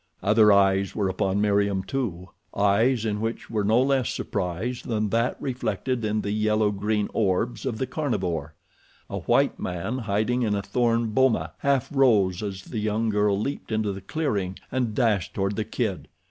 Other eyes were upon Meriem, too—eyes in which were no less surprise than that reflected in the yellow green orbs of the carnivore. A white man, hiding in a thorn boma, half rose as the young girl leaped into the clearing and dashed toward the kid.